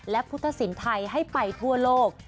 และพุทธศิลป์ไทยให้ไปทั่วโลก